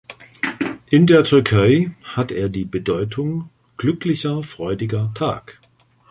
In der Türkei hat er die Bedeutung „glücklicher, freudiger Tag“.